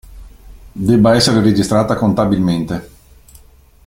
Debba essere registrata contabilmente.